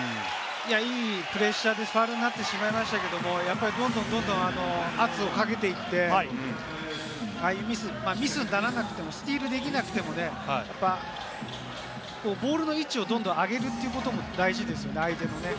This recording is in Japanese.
いいプレッシャーでファウルになってしまいましたけれども、どんどん圧をかけていって、ああいうミス、ミスにならなくても、スティールできなくても、ボールの位置をどんどん上げるというのも大事です、相手の。